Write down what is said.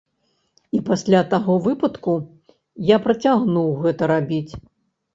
І пасля таго выпадку я працягнуў гэта рабіць.